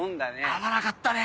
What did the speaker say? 会わなかったね。